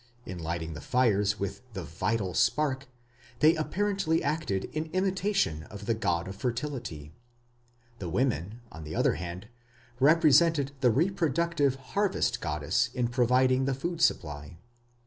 In lighting the fires with the "vital spark", they apparently acted in imitation of the god of fertility. The women, on the other hand, represented the reproductive harvest goddess in providing the food supply.